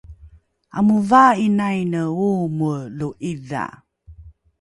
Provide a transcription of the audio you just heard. amovaa’inaine oomoe lo’idha